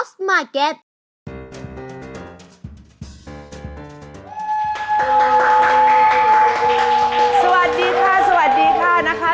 สวัสดีค่ะสวัสดีค่ะนะคะ